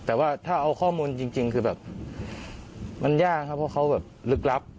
แต่ว่าถ้าเอาข้อมูลจริงคือแบบมันยากครับเพราะเขาแบบลึกลับ